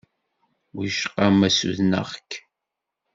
Wicqa ma ssudneɣ-k?